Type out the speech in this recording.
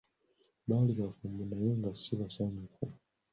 Baali bafumbo naye nga si basanyufu.